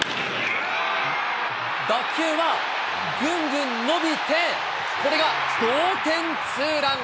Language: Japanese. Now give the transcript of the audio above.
打球はぐんぐん伸びて、これが同点ツーラン。